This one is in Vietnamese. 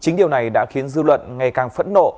chính điều này đã khiến dư luận ngày càng phẫn nộ